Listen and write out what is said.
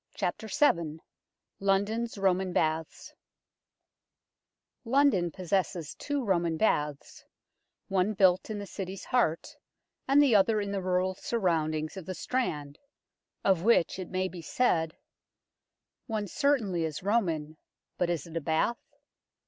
VII LONDON'S ROMAN BATHS LONDON possesses two Roman baths, one built in the City's heart and the other in the rural surroundings of the Strand, of which it may be said One certainly is Roman, but is it a bath